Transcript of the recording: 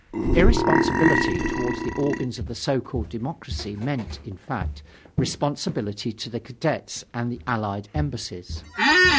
Irresponsibility towards the organs of the so called democracy meant, in fact, responsibility to the Cadets and the Allied Embassies.